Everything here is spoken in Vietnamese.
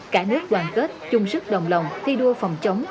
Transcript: cả nước đoàn kết chung sức đồng lòng thi đua phòng chống